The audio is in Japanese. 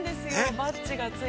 バッジがついて。